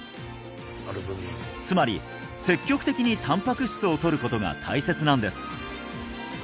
つまり積極的にたんぱく質を取ることが大切なんです